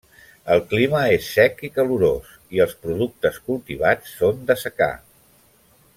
El clima és sec i calorós, i els productes cultivats són de secà.